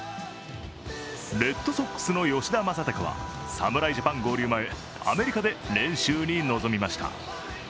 レッドソックスの吉田正尚は侍ジャパン合流前アメリカで練習に臨みました。